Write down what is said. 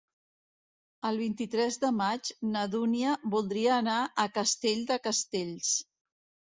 El vint-i-tres de maig na Dúnia voldria anar a Castell de Castells.